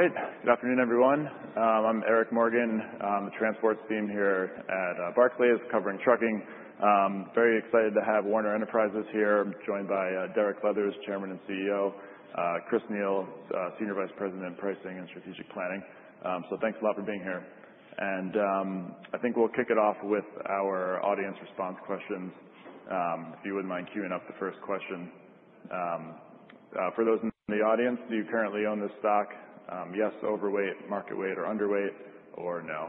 All right. Good afternoon, everyone. I'm Eric Morgan. The transports team here at Barclays, covering trucking. Very excited to have Werner Enterprises here. I'm joined by Derek Leathers, Chairman and CEO, Chris Neal, Senior Vice President in Pricing and Strategic Planning. Thanks a lot for being here. I think we'll kick it off with our audience response questions. If you wouldn't mind queuing up the first question. For those in the audience, do you currently own this stock? Yes, overweight, market weight or underweight or no?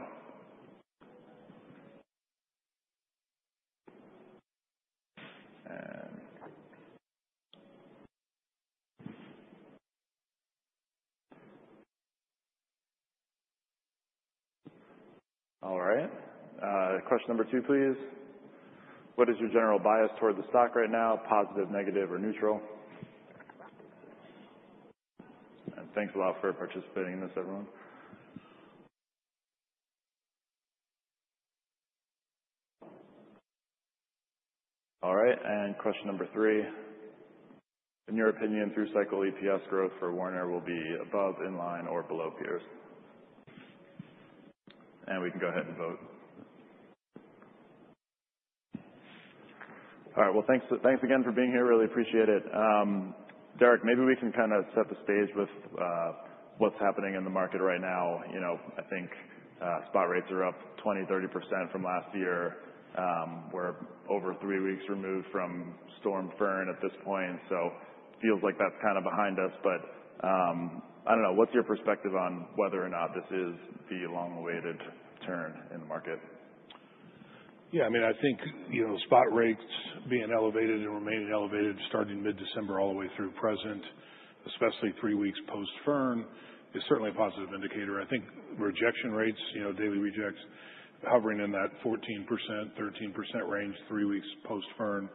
All right, question number two, please. What is your general bias towards the stock right now? Positive, negative, or neutral? Thanks a lot for participating in this, everyone. All right, question number three. In your opinion, through cycle, EPS growth for Werner will be above, in line, or below peers? And we can go ahead and vote. All right. Well, thanks, thanks again for being here. Really appreciate it. Derek, maybe we can kind of set the stage with, what's happening in the market right now. You know, I think, spot rates are up 20%-30% from last year. We're over three weeks removed from Storm Finn at this point, so feels like that's kind of behind us. But, I don't know. What's your perspective on whether or not this is the long-awaited turn in the market? Yeah, I mean, I think, you know, spot rates being elevated and remaining elevated starting 15 December all the way through present, especially three weeks post-Finn, is certainly a positive indicator. I think rejection rates, you know, daily rejects hovering in that 14%-13% range, three weeks post-Finn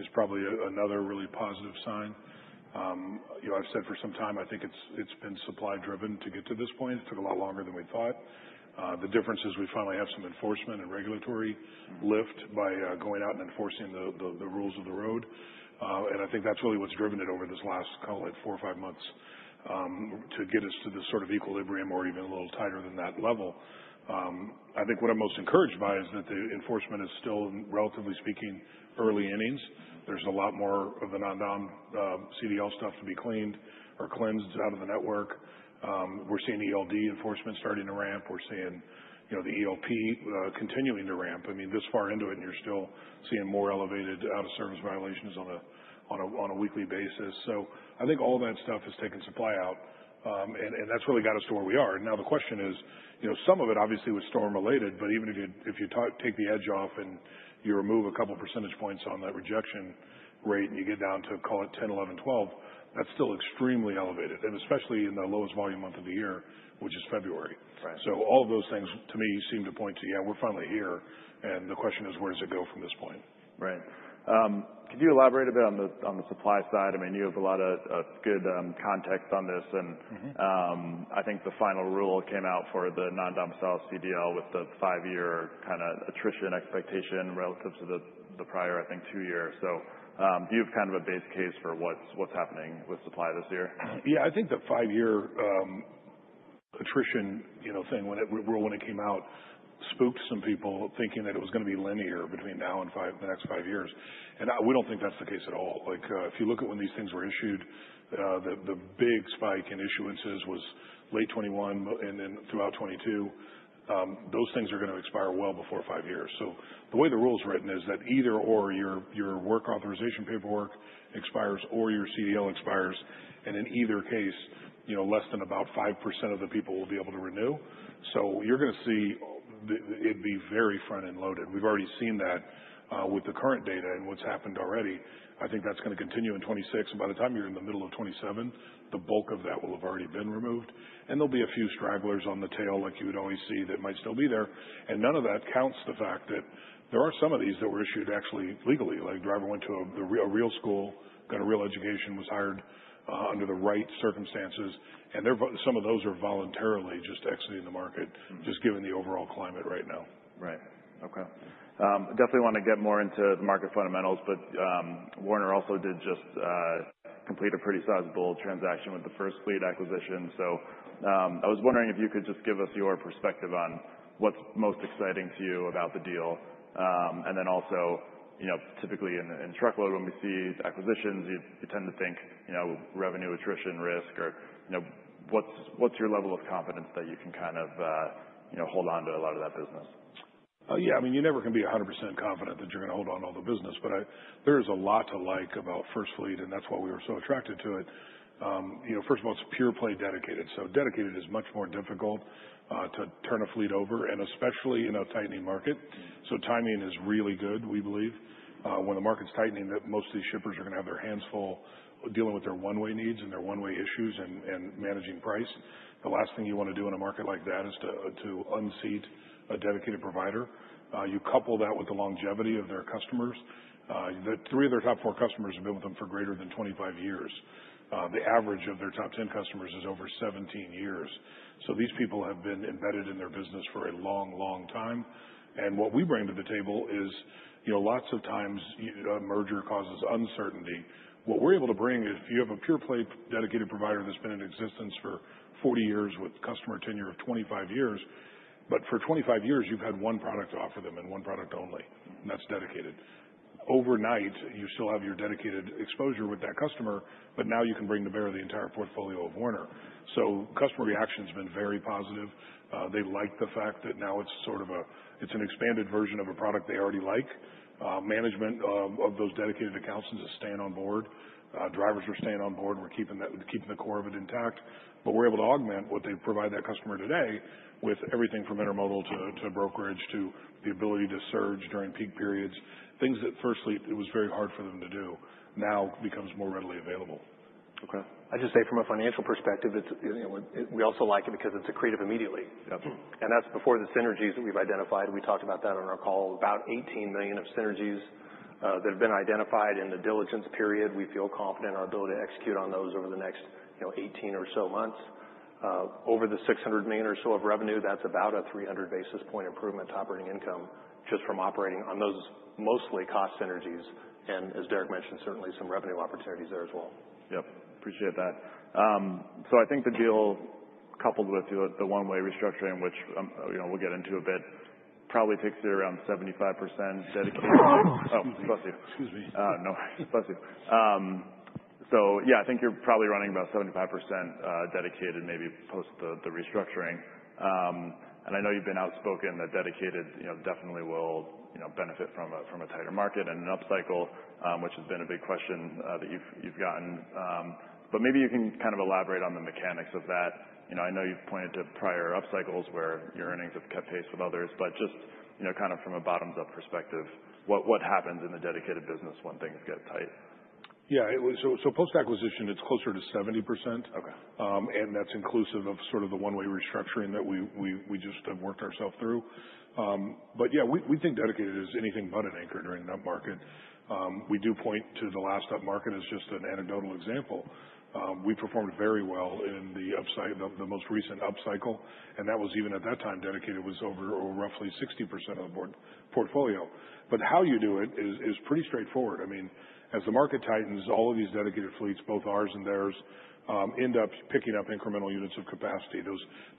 is probably another really positive sign. You know, I've said for some time, I think it's, it's been supply driven to get to this point. It took a lot longer than we thought. The difference is we finally have some enforcement and regulatory lift by going out and enforcing the, the, the rules of the road. And I think that's really what's driven it over this last, call it four or five months, to get us to this sort of equilibrium or even a little tighter than that level. I think what I'm most encouraged by is that the enforcement is still, relatively speaking, early innings. There's a lot more of the non-dom CDL stuff to be cleaned or cleansed out of the network. We're seeing ELD enforcement starting to ramp. We're seeing, you know, the ELDT continuing to ramp. I mean, this far into it, and you're still seeing more elevated out-of-service violations on a weekly basis. So I think all of that stuff has taken supply out. And that's really got us to where we are. Now, the question is, you know, some of it obviously was storm related, but even if you take the edge off and you remove a couple percentage points on that rejection rate, and you get down to call it 10, 11, 12, that's still extremely elevated, and especially in the lowest volume month of the year, which is February. Right. All of those things to me seem to point to, yeah, we're finally here, and the question is, where does it go from this point? Right. Could you elaborate a bit on the supply side? I mean, you have a lot of good context on this, and I think the final rule came out for the non-domiciled CDL with the five year kind of attrition expectation relative to the prior, I think, two years. So, do you have kind of a base case for what's happening with supply this year? Yeah, I think the five-year attrition, you know, thing, when it, well, when it came out, spooked some people, thinking that it was going to be linear between now and five the next five years. And we don't think that's the case at all. Like, if you look at when these things were issued, the big spike in issuances was late 2021 and then throughout 2022. Those things are going to expire well before five years. So the way the rule is written is that either your work authorization paperwork expires or your CDL expires, and in either case, you know, less than about 5% of the people will be able to renew. So you're gonna see it be very front-end loaded. We've already seen that with the current data and what's happened already. I think that's gonna continue in 2026. By the time you're in the middle of 2027, the bulk of that will have already been removed, and there'll be a few stragglers on the tail like you would always see, that might still be there. None of that counts the fact that there are some of these that were issued actually legally. Like, driver went to a real school, got a real education, was hired, under the right circumstances, and some of those are voluntarily just exiting the market, just given the overall climate right now. Right. Okay. Definitely want to get more into the market fundamentals, but, Werner also did just, complete a pretty sizable transaction with the FirstFleet acquisition. So, I was wondering if you could just give us your perspective on what's most exciting to you about the deal. And then also, you know, typically in, in truckload, when we see acquisitions, you, you tend to think, you know, revenue attrition risk or, you know... What's, what's your level of confidence that you can kind of, you know, hold on to a lot of that business? Yeah, I mean, you're never gonna be 100% confident that you're gonna hold on to all the business, but there is a lot to like about FirstFleet, and that's why we were so attracted to it. You know, first of all, it's pure play dedicated. So dedicated is much more difficult to turn a fleet over, and especially in a tightening market. So timing is really good, we believe. When the market's tightening, most of these shippers are gonna have their hands full dealing with their One-Way needs and their One-Way issues and managing price. The last thing you want to do in a market like that is to unseat a dedicated provider. You couple that with the longevity of their customers. The three of their top four customers have been with them for greater than 25 years. The average of their top 10 customers is over 17 years. So these people have been embedded in their business for a long, long time. And what we bring to the table is, you know, lots of times a merger causes uncertainty. What we're able to bring is you have a pure-play dedicated provider that's been in existence for 40 years, with customer tenure of 25 years. But for 25 years, you've had one product to offer them, and one product only, and that's dedicated. Overnight, you still have your dedicated exposure with that customer, but now you can bring to bear the entire portfolio of Werner. So customer reaction's been very positive. They like the fact that now it's sort of a. It's an expanded version of a product they already like management of those dedicated accounts is staying on board, drivers are staying on board, and we're keeping that, keeping the core of it intact. But we're able to augment what they provide that customer today, with everything from intermodal to brokerage, to the ability to surge during peak periods. Things that FirstFleet was very hard for them to do, now becomes more readily available. Okay. I'd just say from a financial perspective, it's, you know, we also like it because it's accretive immediately. Yep. That's before the synergies that we've identified. We talked about that on our call. About $18 million of synergies that have been identified in the diligence period. We feel confident in our ability to execute on those over the next, you know, 18 or so months. Over the $600 million or so of revenue, that's about a 300 basis point improvement to operating income, just from operating on those mostly cost synergies, and as Derek mentioned, certainly some revenue opportunities there as well. Yep. Appreciate that. So I think the deal coupled with the, the One-Way restructuring, which, you know, we'll get into a bit, probably takes you around 75% dedicated. Oh, bless you. Excuse me. No, bless you. So yeah, I think you're probably running about 75% Dedicated, maybe post the restructuring. And I know you've been outspoken that Dedicated, you know, definitely will, you know, benefit from a tighter market and an upcycle, which has been a big question that you've gotten. But maybe you can kind of elaborate on the mechanics of that. You know, I know you've pointed to prior upcycles where your earnings have kept pace with others, but just, you know, kind of from a bottoms-up perspective, what happens in the Dedicated business when things get tight? Yeah, it was ao, so post-acquisition, it's closer to 70%. Okay. That's inclusive of sort of the One-Way restructuring that we just have worked ourself through. Yeah, we think Dedicated is anything but an anchor during an up market. We do point to the last up market as just an anecdotal example. We performed very well in the upside of the most recent upcycle, and that was even at that time, Dedicated was over roughly 60% of the portfolio. How you do it is pretty straightforward. I mean, as the market tightens, all of these Dedicated fleets, both ours and theirs, end up picking up incremental units of capacity.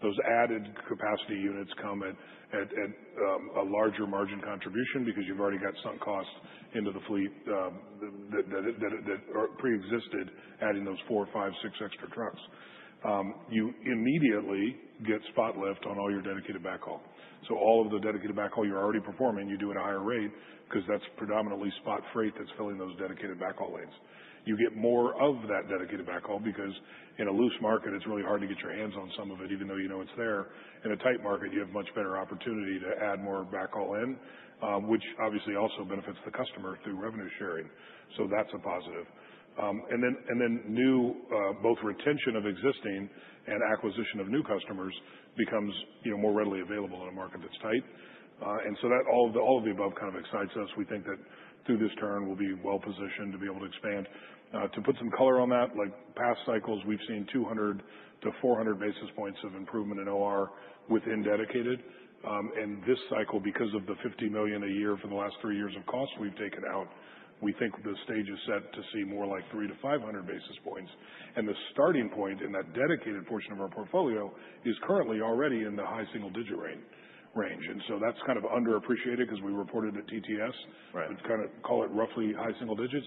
Those added capacity units come at a larger margin contribution, because you've already got some cost into the fleet that are preexisted, adding those four, five, six extra trucks. You immediately get spot lift on all your dedicated backhaul. So all of the dedicated backhaul you're already performing, you do at a higher rate, 'cause that's predominantly spot freight that's filling those dedicated backhaul lanes. You get more of that dedicated backhaul because in a loose market, it's really hard to get your hands on some of it, even though you know it's there. In a tight market, you have much better opportunity to add more backhaul in, which obviously also benefits the customer through revenue sharing. So that's a positive. And then, and then new both retention of existing and acquisition of new customers becomes, you know, more readily available in a market that's tight. And so that all, all of the above kind of excites us. We think that through this turn, we'll be well positioned to be able to expand. To put some color on that, like, past cycles, we've seen 200 to 400 basis points of improvement in OR within Dedicated. And this cycle, because of the $50 million a year for the last three years of cost we've taken out, we think the stage is set to see more like 300 to 500 basis points. And the starting point in that dedicated portion of our portfolio is currently already in the high single-digit range. And so that's kind of underappreciated because we reported at TTS. Right. We'd kind of call it roughly high single digits.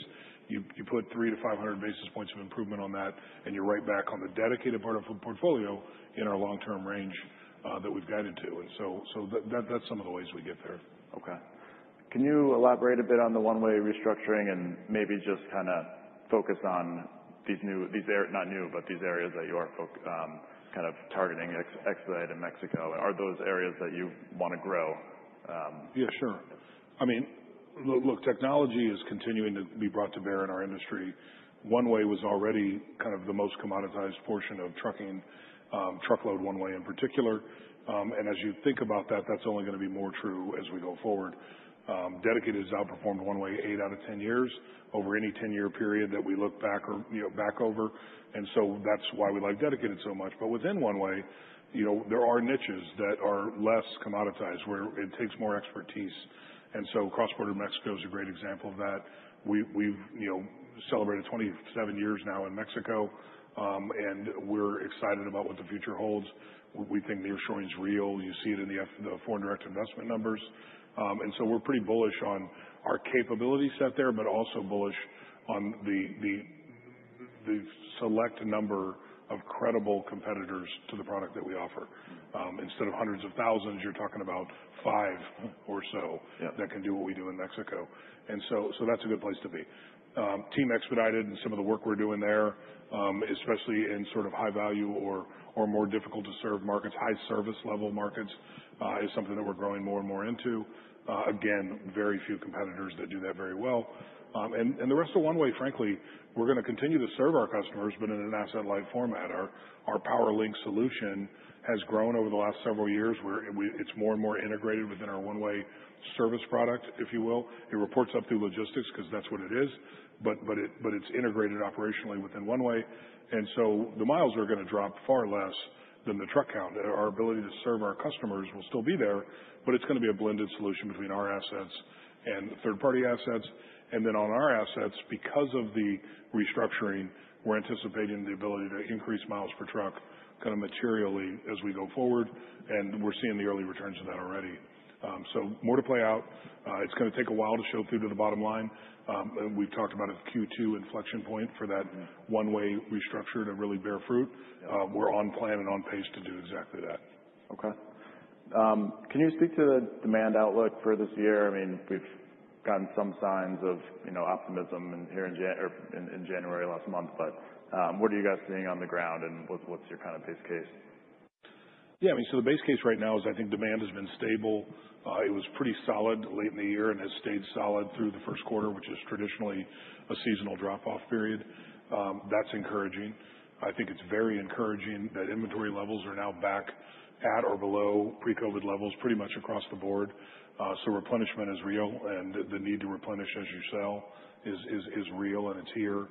You put 300 to 500 basis points of improvement on that, and you're right back on the dedicated part of our portfolio in our long-term range, that we've guided to. And so that's some of the ways we get there. Okay. Can you elaborate a bit on the One-Way restructuring and maybe just kind of focus on these new, these areas. Not new, but these areas that you are focusing, kind of targeting, expedited in Mexico? Are those areas that you want to grow? Yeah, sure. I mean, look, technology is continuing to be brought to bear in our industry. One-Way was already kind of the most commoditized portion of trucking, truckload, One-Way in particular. As you think about that, that's only going to be more true as we go forward. Dedicated has outperformed One-Way, eight out of 10 years, over any 10 year period that we look back or, you know, back over. That's why we like Dedicated so much. Within One-Way, you know, there are niches that are less commoditized, where it takes more expertise. Cross-border Mexico is a great example of that. We've, you know, celebrated 27 years now in Mexico, and we're excited about what the future holds. We think nearshoring is real. You see it in the foreign direct investment numbers. And so we're pretty bullish on our capability set there, but also bullish on the select number of credible competitors to the product that we offer. Instead of hundreds of thousands, you're talking about five or so Yeah That can do what we do in Mexico. And so that's a good place to be. Team Expedited and some of the work we're doing there, especially in sort of high value or more difficult to serve markets, high service level markets, is something that we're growing more and more into. Again, very few competitors that do that very well. And the rest of One-Way, frankly, we're going to continue to serve our customers, but in an asset-light format. Our PowerLink solution has grown over the last several years, where it's more and more integrated within our One-Way service product, if you will. It reports up through Logistics, because that's what it is, but it's integrated operationally within One-Way, and so the miles are going to drop far less than the truck count. Our ability to serve our customers will still be there, but it's going to be a blended solution between our assets and third-party assets. And then on our assets, because of the restructuring, we're anticipating the ability to increase miles per truck kind of materially as we go forward, and we're seeing the early returns on that already. So more to play out. It's going to take a while to show through to the bottom line. But we've talked about a Q2 inflection point for that One-Way restructure to really bear fruit. We're on plan and on pace to do exactly that. Okay. Can you speak to the demand outlook for this year? I mean, we've gotten some signs of, you know, optimism in January last month, but what are you guys seeing on the ground, and what's your kind of base case? Yeah, I mean, so the base case right now is, I think demand has been stable. It was pretty solid late in the year and has stayed solid through the first quarter, which is traditionally a seasonal drop-off period. That's encouraging. I think it's very encouraging that inventory levels are now back at or below pre-COVID levels, pretty much across the board. So replenishment is real, and the need to replenish as you sell is real, and it's here.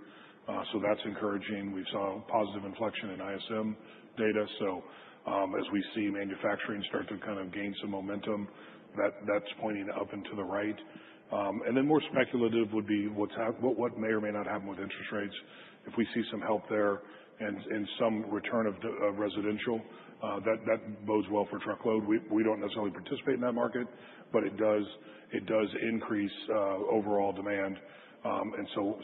So that's encouraging. We saw positive inflection in ISM data. So, as we see manufacturing start to kind of gain some momentum, that's pointing up and to the right. And then more speculative would be what may or may not happen with interest rates. If we see some help there and some return of residential, that bodes well for truckload. We don't necessarily participate in that market, but it does increase overall demand. And so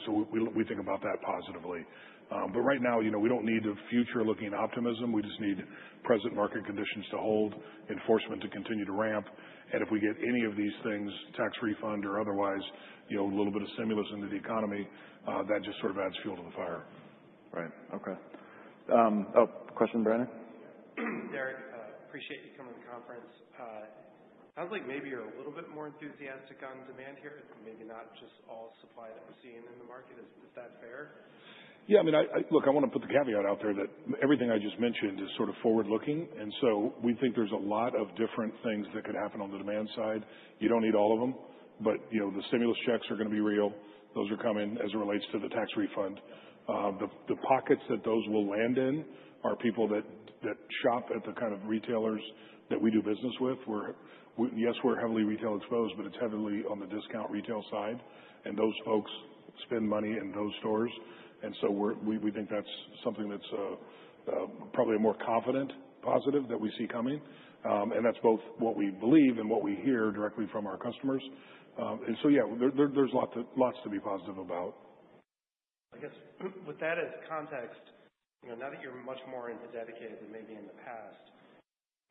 we think about that positively. But right now, you know, we don't need the future-looking optimism. We just need present market conditions to hold, enforcement to continue to ramp. And if we get any of these things, tax refund or otherwise, you know, a little bit of stimulus into the economy, that just sort of adds fuel to the fire. Right. Okay. Oh, question, Brandon? Derek, appreciate you coming to the conference. Sounds like maybe you're a little bit more enthusiastic on demand here, maybe not just all supply that we're seeing in the market. Is, is that fair? Yeah, I mean, Look, I want to put the caveat out there that everything I just mentioned is sort of forward looking, and so we think there's a lot of different things that could happen on the demand side. You don't need all of them, but, you know, the stimulus checks are going to be real. Those are coming as it relates to the tax refund. The pockets that those will land in are people that shop at the kind of retailers that we do business with, where we, yes, we're heavily retail exposed, but it's heavily on the discount retail side, and those folks spend money in those stores. And so we think that's something that's probably a more confident positive that we see coming. And that's both what we believe and what we hear directly from our customers. And so, yeah, there, there's lots to be positive about. I guess, with that as context, you know, now that you're much more into Dedicated than maybe in the past,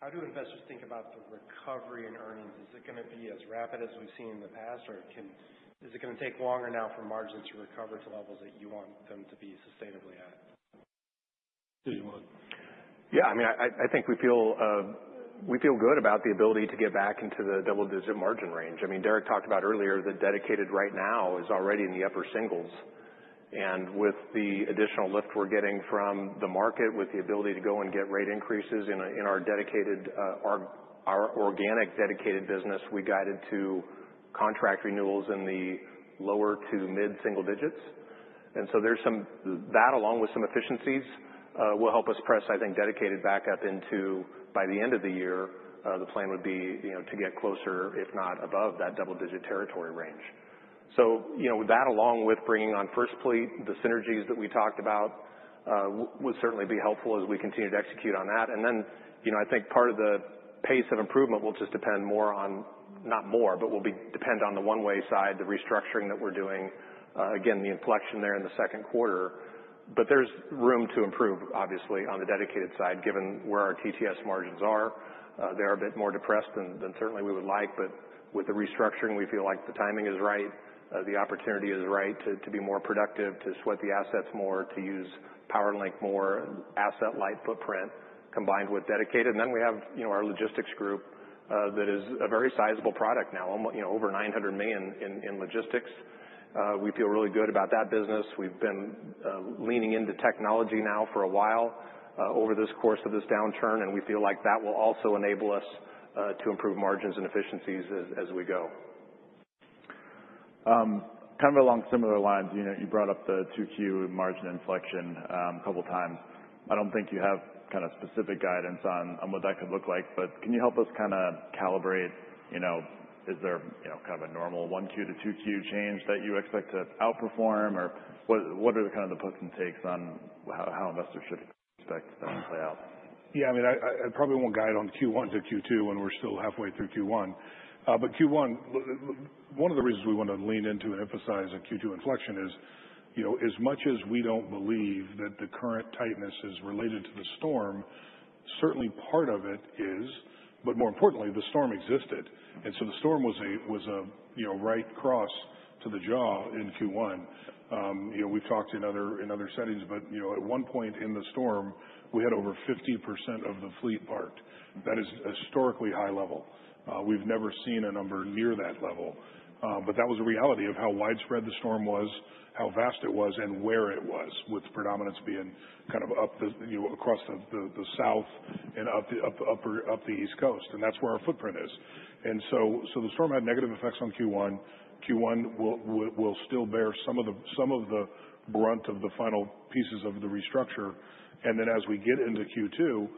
how do investors think about the recovery in earnings? Is it going to be as rapid as we've seen in the past, or is it going to take longer now for margins to recover to levels that you want them to be sustainably at? Chris, you want it. Yeah, I mean, I think we feel, we feel good about the ability to get back into the double-digit margin range. I mean, Derek talked about earlier that Dedicated right now is already in the upper singles, and with the additional lift we're getting from the market, with the ability to go and get rate increases in our, in our Dedicated, our organic Dedicated business, we guided to contract renewals in the lower to mid-single digits. And so there's some. That, along with some efficiencies, will help us press, I think, Dedicated back up into, by the end of the year, the plan would be, you know, to get closer, if not above, that double-digit territory range. So, you know, that, along with bringing on FirstFleet, the synergies that we talked about, would certainly be helpful as we continue to execute on that. And then, you know, I think part of the pace of improvement will just depend, not more, but will depend on the One-Way side, the restructuring that we're doing. Again, the inflection there in the second quarter. But there's room to improve, obviously, on the Dedicated side, given where our TTS margins are. They're a bit more depressed than certainly we would like, but with the restructuring, we feel like the timing is right, the opportunity is right to be more productive, to sweat the assets more, to use PowerLink more, asset light footprint, combined with Dedicated. And then we have, you know, our Logistics group, that is a very sizable product now, you know, over $900 million in Logistics. We feel really good about that business. We've been leaning into technology now for a while, over this course of this downturn, and we feel like that will also enable us to improve margins and efficiencies as we go. Kind of along similar lines, you know, you brought up the 2Q margin inflection, a couple times. I don't think you have kind of specific guidance on what that could look like, but can you help us kind of calibrate, you know, is there, you know, kind of a normal 1Q to 2Q change that you expect to outperform, or what are the kind of the puts and takes on how investors should expect that to play out? Yeah, I mean, I probably won't guide on Q1 to Q2 when we're still halfway through Q1. But Q1, one of the reasons we want to lean into and emphasize a Q2 inflection is, you know, as much as we don't believe that the current tightness is related to the storm, certainly part of it is, but more importantly, the storm existed. And so the storm was a, you know, right cross to the jaw in Q1. You know, we've talked in other settings, but, you know, at one point in the storm, we had over 50% of the fleet parked. That is a historically high level. We've never seen a number near that level, but that was a reality of how widespread the storm was, how vast it was, and where it was, with predominance being kind of up the, you know, across the south and up the upper East Coast, and that's where our footprint is. So the storm had negative effects on Q1. Q1 will still bear some of the brunt of the final pieces of the restructure. Then as we get into Q2,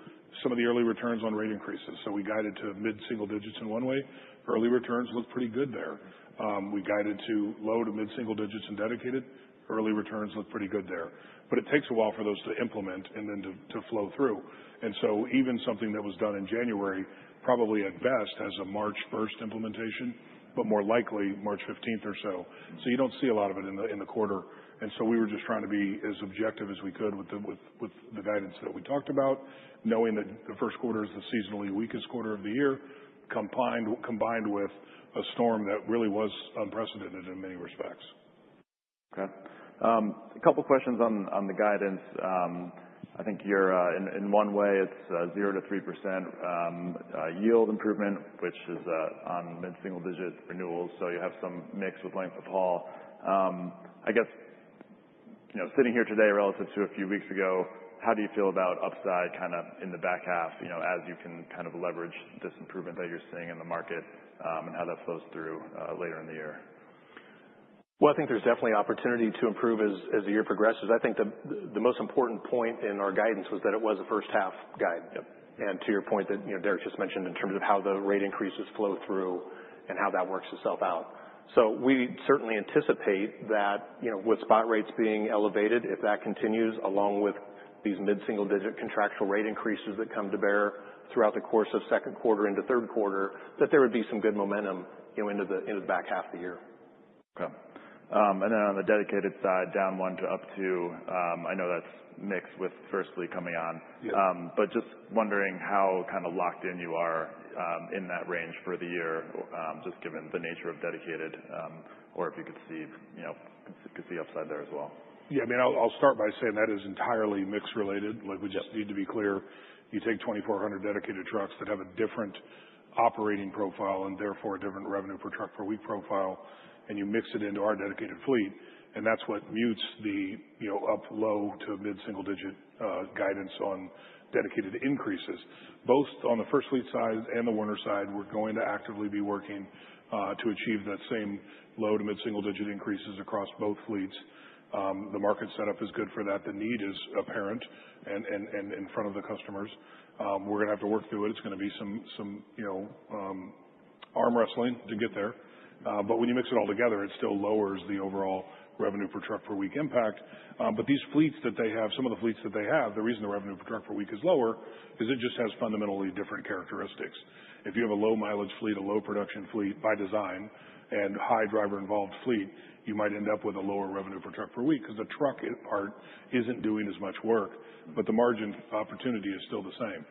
some of the early returns on rate increases. So we guided to mid-single digits in one way. Early returns look pretty good there. We guided to low to mid-single digits in dedicated. Early returns look pretty good there. But it takes a while for those to implement and then to flow through. And so even something that was done in January, probably at best, has a March first implementation, but more likely March fifteenth or so. So you don't see a lot of it in the quarter. And so we were just trying to be as objective as we could with the guidance that we talked about, knowing that the first quarter is the seasonally weakest quarter of the year, combined with a storm that really was unprecedented in many respects. Okay. A couple questions on the guidance. I think you're, in one way, it's 0-3% yield improvement, which is on mid-single digit renewals, so you have some mix with length of haul. I guess, you know, sitting here today relative to a few weeks ago, how do you feel about upside kind of in the back half, you know, as you can kind of leverage this improvement that you're seeing in the market, and how that flows through later in the year? Well, I think there's definitely opportunity to improve as the year progresses. I think the most important point in our guidance was that it was a first half guide. Yep. To your point, that, you know, Derek just mentioned in terms of how the rate increases flow through and how that works itself out. We certainly anticipate that, you know, with spot rates being elevated, if that continues, along with these mid-single digit contractual rate increases that come to bear throughout the course of second quarter into third quarter, that there would be some good momentum, you know, into the, in the back half of the year. Okay. And then on the dedicated side, down one to up two, I know that's mixed with First Fleet coming on. Yeah. Just wondering how kind of locked in you are in that range for the year, just given the nature of dedicated, or if you could see, you know, could see upside there as well? Yeah. I mean, I'll start by saying that is entirely mix related. Yep. Like, we just need to be clear. You take 2,400 dedicated trucks that have a different operating profile and therefore a different revenue per truck per week profile, and you mix it into our dedicated fleet, and that's what mutes the, you know, up low to mid-single digit guidance on dedicated increases. Both on the FirstFleet side and the Werner side, we're going to actively be working to achieve that same low to mid-single digit increases across both fleets. The market setup is good for that. The need is apparent and in front of the customers. We're gonna have to work through it. It's gonna be some, you know, arm wrestling to get there. But when you mix it all together, it still lowers the overall revenue per truck per week impact. But these fleets that they have, some of the fleets that they have, the reason the revenue per truck per week is lower is it just has fundamentally different characteristics. If you have a low mileage fleet, a low production fleet by design, and high driver-involved fleet, you might end up with a lower revenue per truck per week, because the truck part isn't doing as much work, but the margin opportunity is still the same.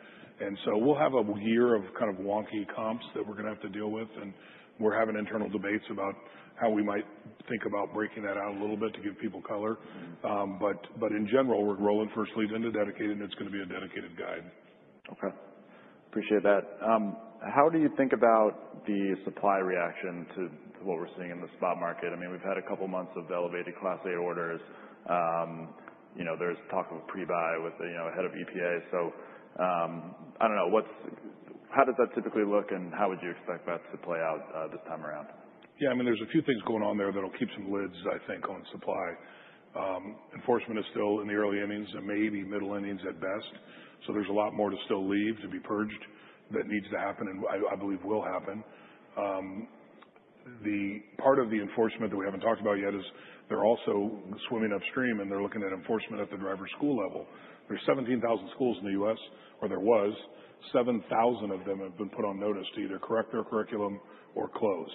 And so we'll have a year of kind of wonky comps that we're gonna have to deal with, and we're having internal debates about how we might think about breaking that out a little bit to give people color. But in general, we're rolling FirstFleet into dedicated, and it's gonna be a dedicated guide. Okay. Appreciate that. How do you think about the supply reaction to what we're seeing in the spot market? I mean, we've had a couple months of elevated Class A orders. You know, there's talk of pre-buy with the, you know, head of EPA. So, I don't know. What's, how does that typically look, and how would you expect that to play out this time around? Yeah, I mean, there's a few things going on there that'll keep some lids, I think, on supply. Enforcement is still in the early innings and maybe middle innings at best, so there's a lot more to still leave, to be purged, that needs to happen, and I believe will happen. The part of the enforcement that we haven't talked about yet is they're also swimming upstream, and they're looking at enforcement at the driver school level. There's 17,000 schools in the U.S., or there was. 7,000 of them have been put on notice to either correct their curriculum or close.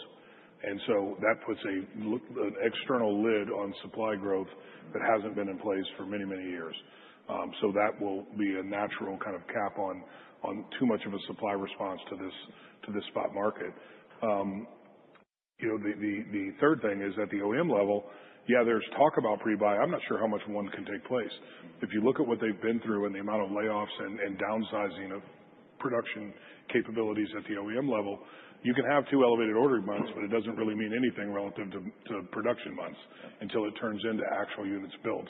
And so that puts an external lid on supply growth that hasn't been in place for many, many years. So that will be a natural kind of cap on too much of a supply response to this spot market. You know, the third thing is at the OEM level, yeah, there's talk about pre-buy. I'm not sure how much one can take place. If you look at what they've been through and the amount of layoffs and downsizing of production capabilities at the OEM level, you can have two elevated order months, but it doesn't really mean anything relative to production months Yeah Until it turns into actual units built.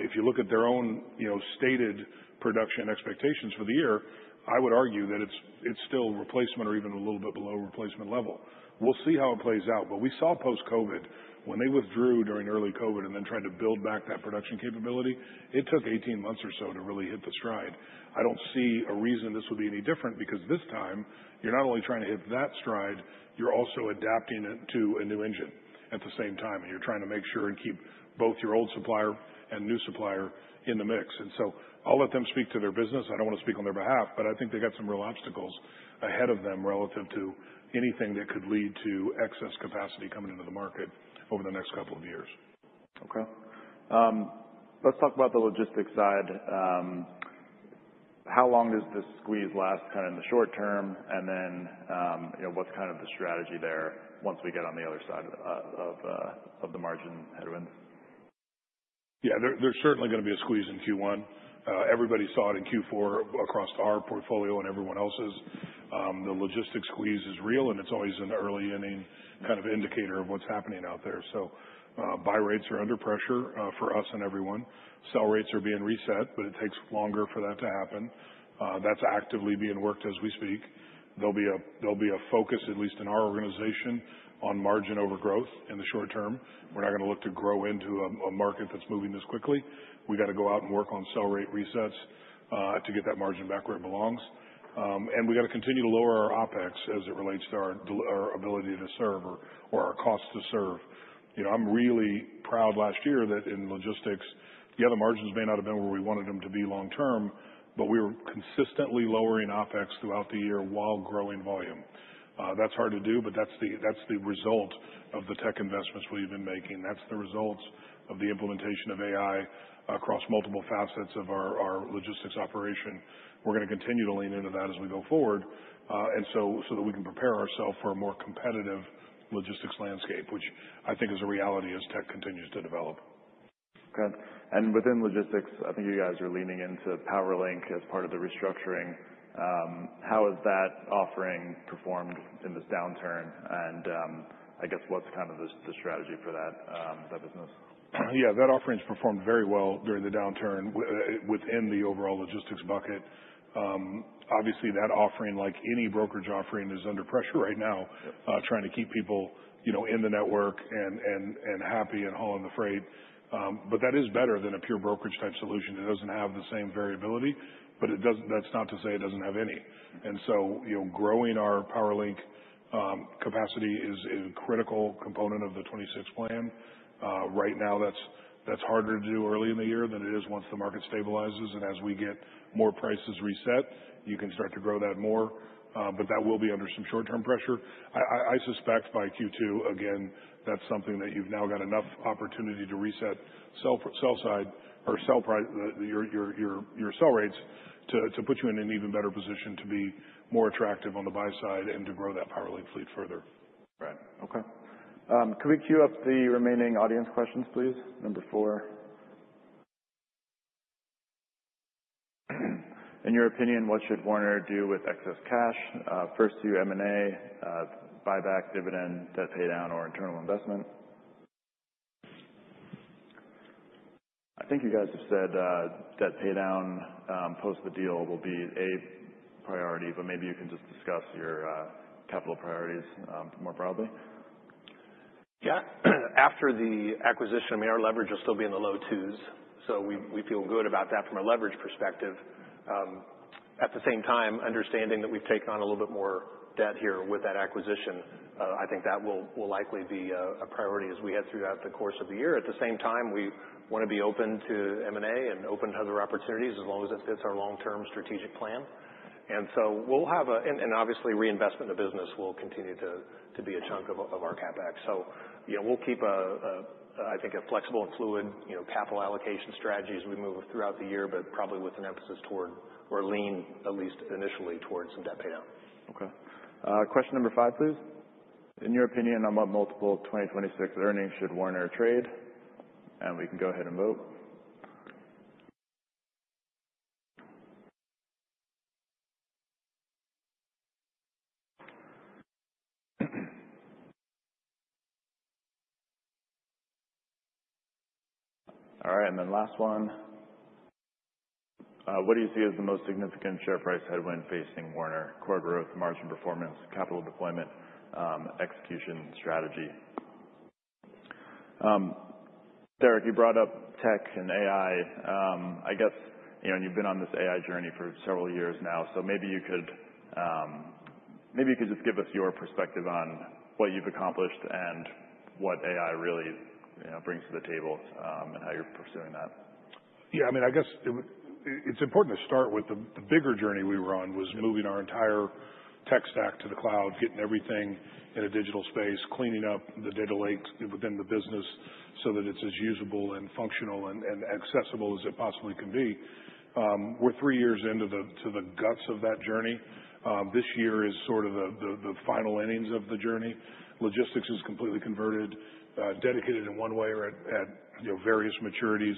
If you look at their own, you know, stated production expectations for the year, I would argue that it's, it's still replacement or even a little bit below replacement level. We'll see how it plays out. But we saw post-COVID, when they withdrew during early COVID and then tried to build back that production capability, it took 18 months or so to really hit the stride. I don't see a reason this would be any different, because this time, you're not only trying to hit that stride, you're also adapting it to a new engine at the same time, and you're trying to make sure and keep both your old supplier and new supplier in the mix. And so I'll let them speak to their business. I don't want to speak on their behalf, but I think they got some real obstacles ahead of them relative to anything that could lead to excess capacity coming into the market over the next couple of years. Okay. Let's talk about the Logistics side. How long does this squeeze last, kind of in the short term, and then, you know, what's kind of the strategy there once we get on the other side of the margin headwinds? Yeah, there's certainly gonna be a squeeze in Q1. Everybody saw it in Q4 across our portfolio and everyone else's. The Logistics squeeze is real, and it's always an early inning kind of indicator of what's happening out there. So, buy rates are under pressure for us and everyone. Sell rates are being reset, but it takes longer for that to happen. That's actively being worked as we speak. There'll be a focus, at least in our organization, on margin over growth in the short term. We're not gonna look to grow into a market that's moving this quickly. We gotta go out and work on sell rate resets to get that margin back where it belongs. We got to continue to lower our OpEx as it relates to our ability to serve or our cost to serve. You know, I'm really proud last year that in Logistics, yeah, the margins may not have been where we wanted them to be long term, but we were consistently lowering OpEx throughout the year while growing volume. That's hard to do, but that's the result of the tech investments we've been making. That's the result of the implementation of AI across multiple facets of our Logistics operation. We're gonna continue to lean into that as we go forward, so that we can prepare ourself for a more competitive Logistics landscape, which I think is a reality as tech continues to develop. Okay. And within Logistics, I think you guys are leaning into PowerLink as part of the restructuring. How has that offering performed in this downturn? And, I guess, what's kind of the strategy for that business? Yeah, that offering has performed very well during the downturn within the overall Logistics bucket. Obviously, that offering, like any brokerage offering, is under pressure right now- Yep. Trying to keep people, you know, in the network and happy and hauling the freight. But that is better than a pure brokerage-type solution. It doesn't have the same variability, but it doesn't that's not to say it doesn't have any. And so, you know, growing our PowerLink capacity is a critical component of the 26 plan. Right now, that's harder to do early in the year than it is once the market stabilizes. And as we get more prices reset, you can start to grow that more, but that will be under some short-term pressure. I suspect by Q2, again, that's something that you've now got enough opportunity to reset sell-side or sell price, your sell rates to put you in an even better position to be more attractive on the buy side and to grow that PowerLink fleet further. Right. Okay. Can we queue up the remaining audience questions, please? Number four. In your opinion, what should Werner do with excess cash? First to M&A, buyback dividend, debt pay down, or internal investment? I think you guys have said, debt pay down, post the deal will be a priority, but maybe you can just discuss your, capital priorities, more broadly. Yeah. After the acquisition, I mean, our leverage will still be in the low twos, so we feel good about that from a leverage perspective. At the same time, understanding that we've taken on a little bit more debt here with that acquisition, I think that will likely be a priority as we head throughout the course of the year. At the same time, we wanna be open to M&A and open to other opportunities as long as it fits our long-term strategic plan. We'll have and, obviously, reinvestment in the business will continue to be a chunk of our CapEx. Yeah, we'll keep a, I think, a flexible and fluid, you know, capital allocation strategy as we move throughout the year, but probably with an emphasis toward or lean at least initially towards some debt paydown. Okay. Question number five, please. In your opinion, on what multiple of 2026 earnings should Werner trade? We can go ahead and vote. All right, then last one. What do you see as the most significant share price headwind facing Werner? Core growth, margin performance, capital deployment, execution strategy. Derek, you brought up tech and AI. I guess, you know, and you've been on this AI journey for several years now, so maybe you could, maybe you could just give us your perspective on what you've accomplished and what AI really, you know, brings to the table, and how you're pursuing that. Yeah, I mean, I guess it's important to start with the, the bigger journey we were on, was moving our entire tech stack to the cloud, getting everything in a digital space, cleaning up the data lakes within the business so that it's as usable and functional and, and accessible as it possibly can be. We're three years into the, to the guts of that journey. This year is sort of the final innings of the journey. Logistics is completely converted, dedicated in one way or at you know, various maturities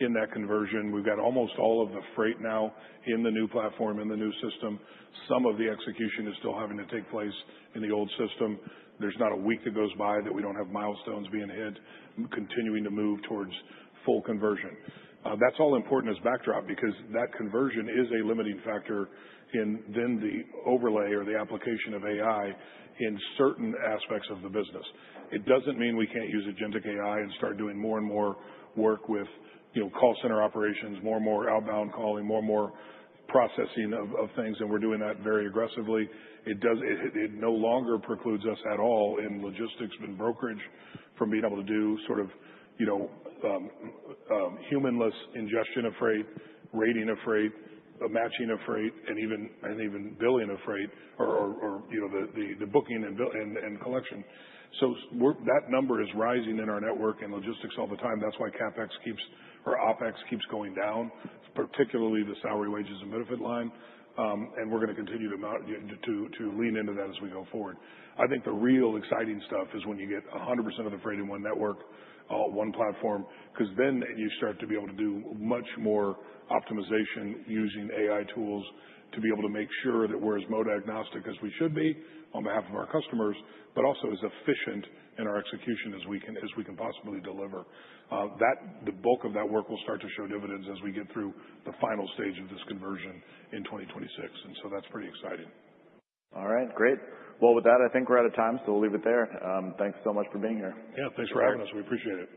in that conversion. We've got almost all of the freight now in the new platform, in the new system. Some of the execution is still having to take place in the old system. There's not a week that goes by that we don't have milestones being hit, continuing to move towards full conversion. That's all important as backdrop because that conversion is a limiting factor in then the overlay or the application of AI in certain aspects of the business. It doesn't mean we can't use agentic AI and start doing more and more work with, you know, call center operations, more and more outbound calling, more and more processing of things, and we're doing that very aggressively. It no longer precludes us at all in Logistics and brokerage from being able to do sort of, you know, humanless ingestion of freight, rating of freight, matching of freight, and even billing of freight or, you know, the booking and bill and collection. So we're that number is rising in our network and Logistics all the time. That's why CapEx keeps or OpEx keeps going down, particularly the salary, wages, and benefit line. And we're gonna continue to lean into that as we go forward. I think the real exciting stuff is when you get 100% of the freight in one network, one platform, 'cause then you start to be able to do much more optimization using AI tools to be able to make sure that we're as mode agnostic as we should be on behalf of our customers, but also as efficient in our execution as we can, as we can possibly deliver. That the bulk of that work will start to show dividends as we get through the final stage of this conversion in 2026, and so that's pretty exciting. All right. Great. Well, with that, I think we're out of time, so we'll leave it there. Thanks so much for being here. Yeah, thanks for having us. We appreciate it.